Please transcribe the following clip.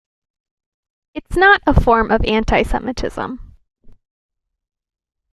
It's not a form of anti-Semitism.